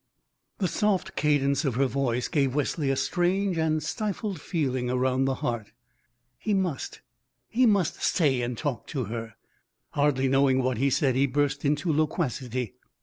The soft cadence of her voice gave Wesley a strange and stifled feeling around the heart. He must he must stay and talk to her. Hardly knowing what he said, he burst into loquacity.